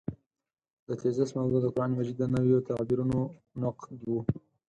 د تېزس موضوع د قران مجید د نویو تعبیرونو نقد و.